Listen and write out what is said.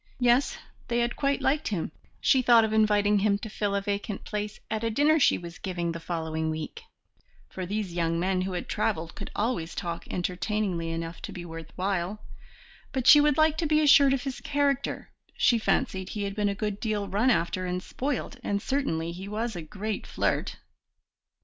Yes, they had quite liked him; she thought of inviting him to fill a vacant place at a dinner she was giving the following week, for these young men who had travelled could always talk entertainingly enough to be worth while; but she would like to be assured of his character; she fancied he had been a good deal run after and spoilt, and certainly he was a great flirt.